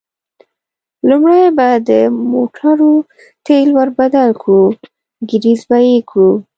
لومړی به د موټرو تېل ور بدل کړو، ګرېس به یې کړو.